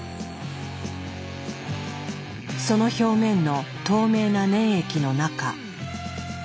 その表面の透明な粘液の中。